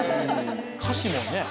歌詞もね